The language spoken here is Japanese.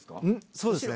そうですね。